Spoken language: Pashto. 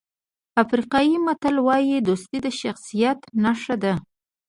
افریقایي متل وایي دوستي د شخصیت نښه ده.